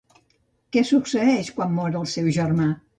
Què succeeix quan mor el seu germà?